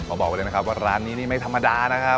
ขอบอกเลยนะครับว่าร้านนี้ไม่ธรรมดานะครับ